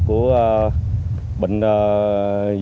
của bệnh dịch covid một mươi chín